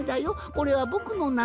これはぼくのなのだ」。